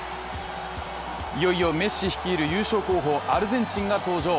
いよいよメッシ率いる優勝候補、アルゼンチンが登場。